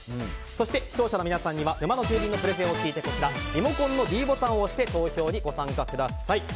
そして、視聴者の皆さんには沼の住人のプレゼンを聞いてリモコンのｄボタンを押して投票にご参加ください。